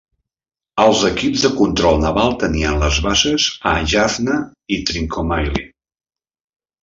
Els equips de control naval tenien les bases a Jaffna i Trincomalee.